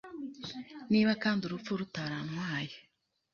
Niba kandi urupfu rutarantwaye